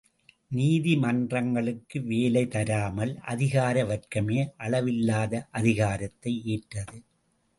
நீதிமன்றங்களுக்கு வேலை தராமல், அதிகார வர்க்கமே அளவில்லாத அதிகாரத்தை ஏற்றது.